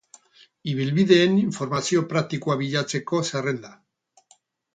Ibilbideen informazio praktikoa bilatzeko zerrenda.